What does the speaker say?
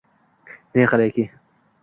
Ne qilayki